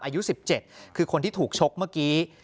อายุ๑๗คือคนที่ถูกชกเมื่อกี้